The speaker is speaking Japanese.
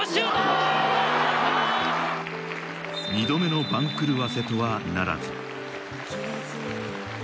２度目の番狂わせとはならず。